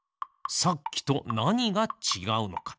さっきとなにがちがうのか。